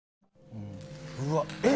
うわっ。